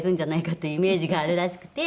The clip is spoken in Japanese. っていうイメージがあるらしくて。